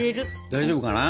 大丈夫かな？